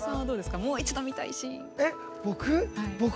もう一度見たいのは。